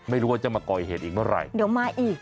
ไม่รู้ว่าจะมาก่อเหตุอีกเมื่อไหร่เดี๋ยวมาอีก